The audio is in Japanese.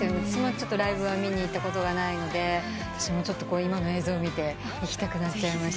ライブは見に行ったことがないので私も今の映像見て行きたくなっちゃいました。